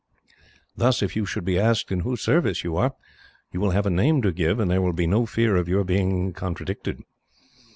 Thus, if you should be asked in whose service you are, you will have a name to give, and there will be no fear of your being contradicted.